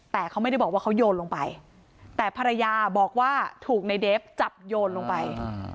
แต่เขาไม่ได้บอกว่าเขาโยนลงไปแต่ภรรยาบอกว่าถูกในเดฟจับโยนลงไป